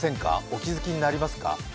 お気づきになりますか？